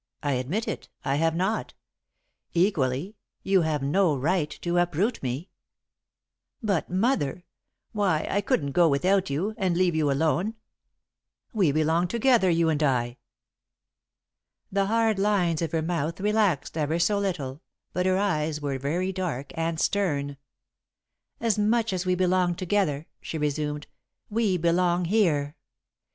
I admit it I have not. Equally, you have no right to uproot me." [Sidenote: One's Own Choice] "But, Mother! Why, I couldn't go without you, and leave you alone. We belong together, you and I!" The hard lines of her mouth relaxed, ever so little, but her eyes were very dark and stern. "As much as we belong together," she resumed, "we belong here.